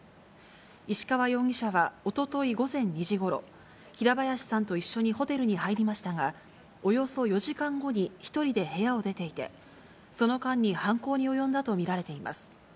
石川容疑者はおととい午前２時ごろ、平林さんと一緒にホテルに入りましたが、およそ４時間後に１人で部屋を出ていて、その間に犯行に及んだと見られています。